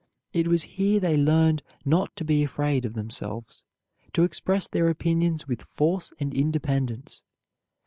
It was here they learned not to be afraid of themselves, to express their opinions with force and independence.